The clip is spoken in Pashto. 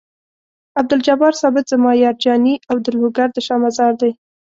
عبدالجبار ثابت زما یار جاني او د لوګر د شاه مزار دی.